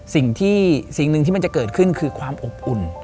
สิ่งหนึ่งที่มันจะเกิดขึ้นคือความอบอุ่น